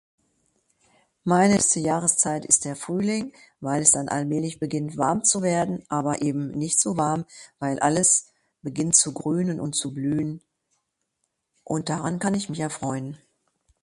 Meine [unintelligible] Jahreszeit ist der Frühling, weil es dann allmählich beginnt warm zu werden aber eben nicht so warm, weil alles beginnt zu grünen und zu blühen und daran kann ich mich erfreuen.